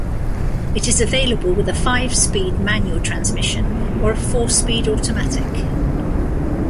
It is available with a five-speed manual transmission or a four-speed automatic.